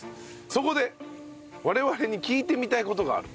そこで我々に聞いてみたい事がある。